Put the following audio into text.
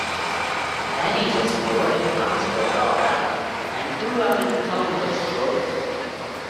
Betty was born in Huntsville, Alabama and grew up in Columbus, Georgia.